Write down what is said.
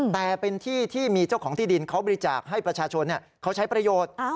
แต่เป็นที่ที่มีเจ้าของที่ดินเขาบริจาคให้ประชาชนเขาใช้ประโยชน์